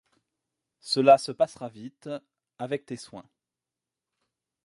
Cela se passera vite… avec tes soins…